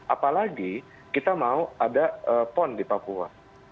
apalagi kita mau ada pon di papua